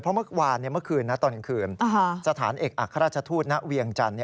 เพราะเมื่อคืนสถานเอกอัครราชทูตณเวียงจันทร์